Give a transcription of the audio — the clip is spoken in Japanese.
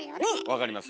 分かります